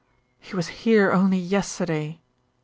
"He was here only yesterday."